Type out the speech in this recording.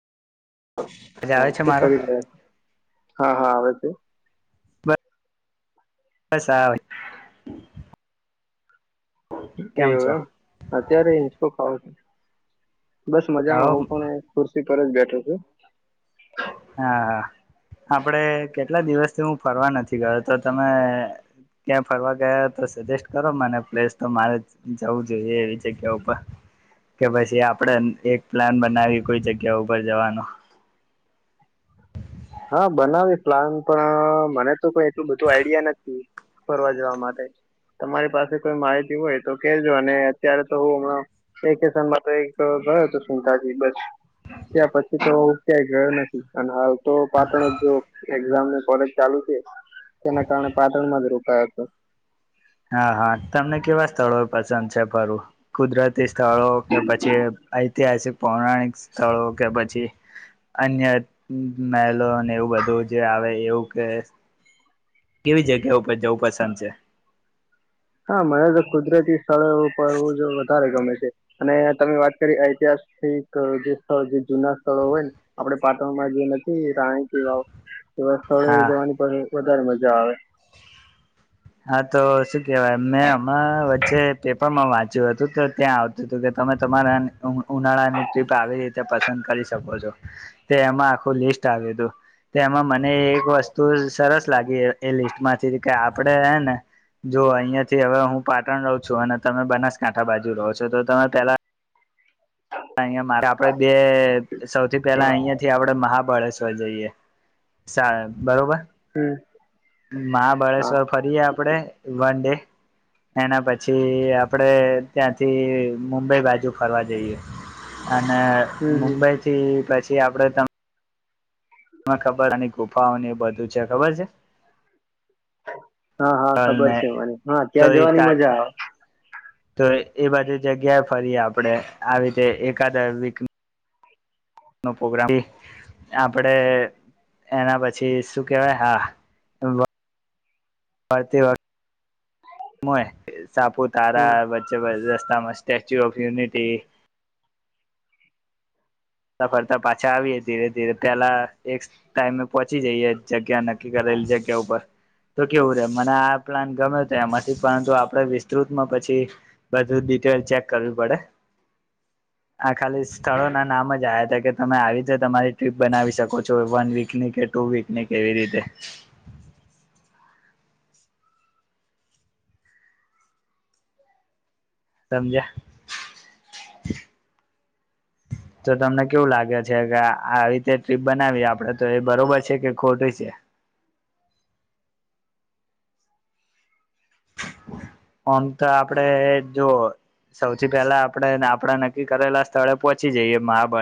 અવાજ હા આવે છે શું મારો કરી લ હા હા આવે છે બસ આ એવ છો એમ અત્યારે ઇંચકો ખાવો છે બસ મજામાં હું હવ પણ એ ખુરશી ઉપર જ બેઠો છુ હા હા આપડે કેટલા દિવસથી હું ફરવા નથી ગયો તો તમે ક્યાં ફરવા ગયા તો સજેસ્ટ કરો મને પ્લેસ તો મારે જવું જોઈએ એવી જગ્યા ઉપર કે પછી આપણેે એક પ્લાન બનાવી કોઈ જગ્યા ઉપર જવાનું હા બનાવીએ પ્લાન પણ મને તો કોઈ એટલું બધું આઈડિયા નથી ફરવા જવા માટે તમારી પાસે કોઈ માહિતી હોય તો કેજો અને અત્યારે તો હું હ વેકેશનમાં તો એક ગયો તો [unintelligible] થી બસ ત પછી તો ક્યાંય ગયો નથી અને હ તો પાટણ જો એક્ઝામ ને કોલેજ ચાલુ છે તેના કારણે પાટણમાં જ રોકાયો તો હા હા તમને કેવા સ્થળો પસંદ છે ફરું કુદરતી સ્થળો કે પછી ઐતિહાસિક પૌરાણિક સ્થળો કે પછી અન્ય મહેલો ને એવું બધું જે આવે એવું કે કેવી જગ્યાઓ જવું પસંદ છે હા મળે તો કુદરતી સ્થળેઓ એવ ફરવુ જવુ વધારે ગમે છ છે અને તમે વાત કરી ઐતિહાસિક જે સ્થળ જૂના સ્થળો હોય ને આપડે પાટણમાં જે નથી રાણી કી વાવ એવા સ્થળોએ હા જવાની પરે વધારે મજા આવે હા તો શું કહેવાય મેં અમણા વચ્ચે પેપરમાં વાંચ્યું હતું તો ત્યાં આવતું તુ કે તમે તમારા ઉનાળાની ટ્રીપ આવી રીતે પસંદ કરી શકો છો તે એમાં આખું લિસ્ટ આવ્યું તુ તે એમાં મને એક વસ્તુ સરસ લાગી એ લિસ્ટમાંથી કે આપ આપડે હેને જો અઈયાં થી હવે હું પાટણ રઉ છું અને તમે બનાસકાંઠા બાજુ રો છો તો તમે પેલા અઈયાં મારે આપડે બે સૌથી પેલા હા અઈયાંથી આપડે મહાબળેશ્વર જઈએ સા બરોબર હમ્મ. મહાબળેશ્વર ફરી આપ પડે વન ડે એના પછી આપડે ત્યાંથી મુંબઈ બાજુ ફરવા જઈએ અને હમ હમ. મુુંબઈથી પ જે આપડે ત તને ખબર અહીં ગુફાઓની બધું છે ખબર છે. હા હા ખબર ને છે મને. હા તો ત્યાં એ જવાની મજા આવે. તો એ બધી જગ્યાએ ફરીએ આપડે આવી જે‌ એકાદ વીક નો પ્રગ્રામ આપડે એના પછી શું કેહેવાય વળતી વખતે હોય હમ સાપુતારા વચ્ચે રસ્તામાં સ્ટેચ્યુ ઓફ યુનિટી ફરતા ફરતા પાછા આવીએ ધીરે ધીરે પેલા એક ટાઈમે પહોંચી જઈએ જગ્યા નક્કી કરેલી જગ્યા ઉપર તો કેવું રે મને આ પ્લાન ગમ્યો તો એમાંથી પરંતુ આપડે વિસ્તૃતમાં પછી બધું ડિટેલ ચેક કરવી પડે આ ખાલી સ્થળો ના નામ જ હતા કે તમે આવી જ તમારી ટ્રીપ બનાવી શકો છો વન વીકની કે ટુ વીકની એવી રીતે સમજયા તો તમને કેવું લાગે છે કે આ આવી રીતે ટ્રીપ બનાવીએ આપડે તો એ બરોબર છે કે ખોટી છે. આમ તો આપડે જો સૌથી પેલા આપણેે આપડા નક્કી કરેલા સ્થળે પોહોંચી જઈએ મહાબ